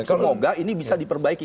semoga ini bisa diperbaiki